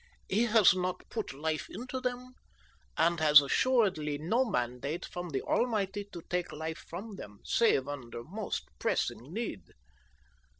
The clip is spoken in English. He has not put life into them, and has assuredly no mandate from the Almighty to take life from them save under most pressing need.